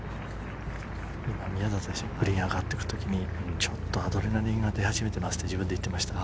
宮里選手、グリーンに上がっていく時に、ちょっとアドレナリンが出始めていますと自分で言っていました。